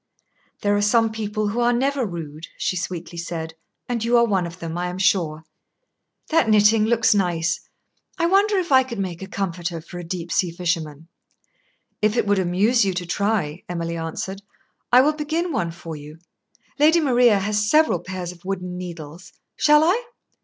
"There are some people who are never rude," she sweetly said, "and you are one of them, I am sure. That knitting looks nice. I wonder if I could make a comforter for a deep sea fisherman." "If it would amuse you to try," Emily answered, "I will begin one for you. Lady Maria has several pairs of wooden needles. Shall I?"